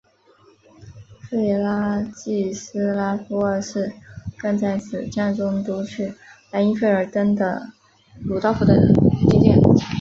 弗拉季斯拉夫二世更在此战中夺去莱茵费尔登的鲁道夫的金剑。